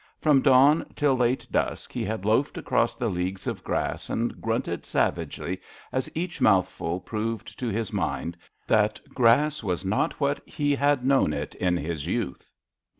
From dawn till late dusk he had loafed across the leagues of grass and grunted savagely as each mouthful proved to his mind that grass was not what he had known it in his youth.